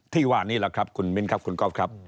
ที่ว่านี้แหละครับคุณมิ้นครับคุณก๊อฟครับ